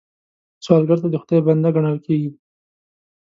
سوالګر د خدای بنده ګڼل کېږي